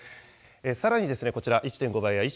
さらに、こちら、１．５倍や１．